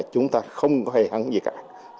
chúng ta không có hề hẳn gì cả